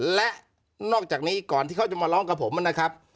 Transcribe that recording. และนอกจากนี้ก่อนที่เขาจะมาร้องกับผมนะครับ